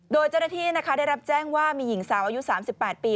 โดยเจ้าหน้าที่นะคะได้รับแจ้งว่ามีหญิงสาวอายุ๓๘ปี